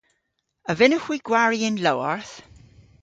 A vynnowgh hwi gwari y'n lowarth?